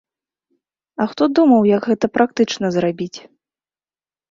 А хто думаў, як гэта практычна зрабіць?